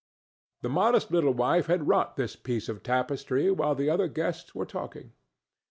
The modest little wife had wrought this piece of tapestry while the other guests were talking.